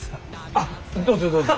あっどうぞどうぞ。